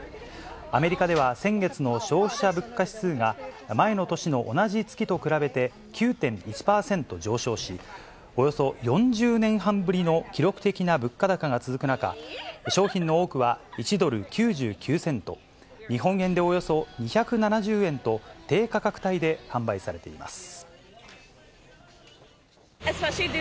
アメリカでは先月の消費者物価指数が、前の年の同じ月と比べて、９．１％上昇し、およそ４０年半ぶりの記録的な物価高が続く中、商品の多くは１ドル９９セント、日本円でおよそ２７０円と、低価格帯で販売されています。